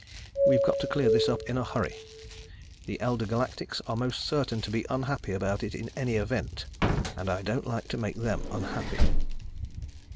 We've got to clear this up in a hurry. The Elder Galactics are most certain to be unhappy about it in any event, and I don't like to make them unhappy.